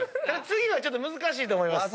次はちょっと難しいと思います。